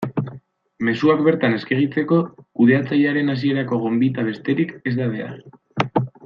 Mezuak bertan eskegitzeko kudeatzailearen hasierako gonbita besterik ez da behar.